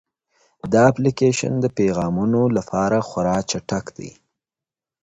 دا اپلیکیشن د پیغامونو لپاره خورا چټک دی.